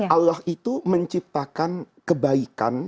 allah itu menciptakan kebaikan